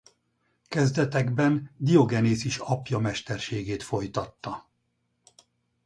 Kezdetekben Diogenész is apja mesterségét folytatta.